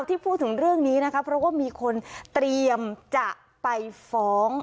ที่พูดถึงเรื่องนี้นะคะเพราะว่ามีคนเตรียมจะไปฟ้อง